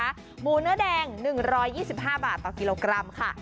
หมูเนื้อแดง๑๒๕บาทต่อกิโลกรัมค่ะ